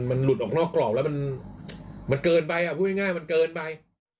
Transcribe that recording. มันหลุดออกนอกกรอบแล้วมันเกินไปพูดง่ายมันเกินไป